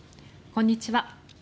こんにちは。